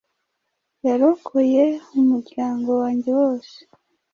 Yarokoye umuryango wanjye wose.